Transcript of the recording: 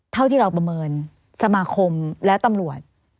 เท่าที่เราประเมินสมาคมและตำรวจ